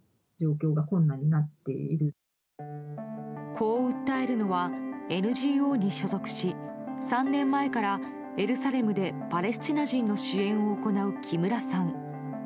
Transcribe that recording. こう訴えるのはＮＧＯに所属し３年前からエルサレムでパレスチナ人の支援を行う木村さん。